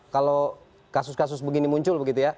kalau kasus kasus begini muncul begitu ya